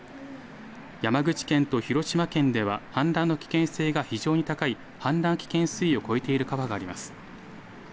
山口県と広島県では、氾濫の危険性が非常に高い氾濫危険水位を超えている川があります。